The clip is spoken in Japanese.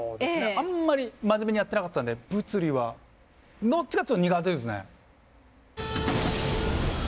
あんまり真面目にやってなかったんで「物理」はどっちかっつうと苦手ですね。